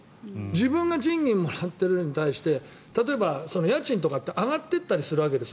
自分が賃金もらっている分に対して例えば、家賃とかって上がってったりするわけです。